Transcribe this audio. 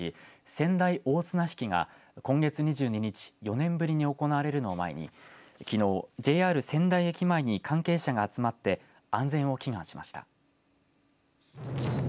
川内大綱引が今月２２日４年ぶりに行われるのを前にきのうＪＲ川内駅前に関係者が集まって安全を祈願しました。